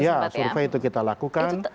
ya survei itu kita lakukan